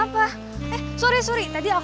kita harus berpengen nih